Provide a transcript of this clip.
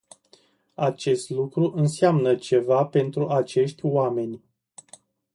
Acest lucru înseamnă ceva pentru acești oameni.